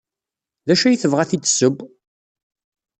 D acu ay tebɣa ad t-id-tesseww?